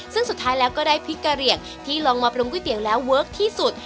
ซึ่งสุดท้ายแล้วก็ได้พริกกะเหลี่ยงที่ลองมาปรุงก๋วยเตี๋ยวแล้วเวิร์คที่สุด